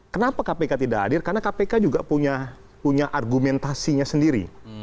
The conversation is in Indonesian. kenapa kpk tidak hadir karena kpk juga punya argumentasinya sendiri